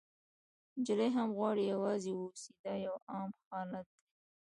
نجلۍ هم غواړي یوازې واوسي، دا یو عام حالت دی.